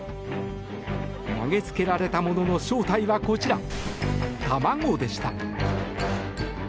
投げつけられたものの正体はこちら、卵でした。